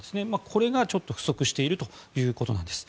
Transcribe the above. これがちょっと不足しているということなんです。